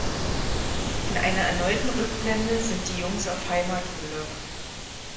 In einer erneuten Rückblende sind die Jungs auf Heimaturlaub.